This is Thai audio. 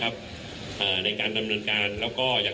คุณผู้ชมไปฟังผู้ว่ารัฐกาลจังหวัดเชียงรายแถลงตอนนี้ค่ะ